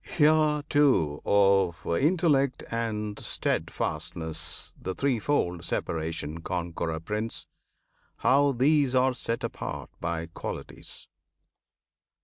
Hear, too, of Intellect and Steadfastness The threefold separation, Conqueror Prince! How these are set apart by Qualities.